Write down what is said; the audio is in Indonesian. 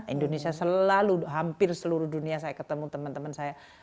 indonesia selalu hampir seluruh dunia saya ketemu teman teman saya